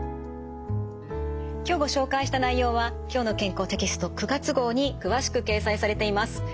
今日ご紹介した内容は「きょうの健康」テキスト９月号に詳しく掲載されています。